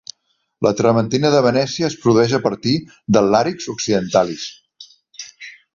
La trementina de Venècia es produeix a partir del Larix occidentalis.